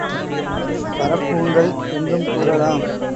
பரப்பூன்றல் என்றும் கூறலாம்.